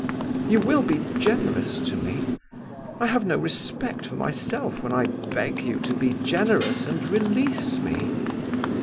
You will be generous to me? I have no respect for myself when I beg you to be generous and release me."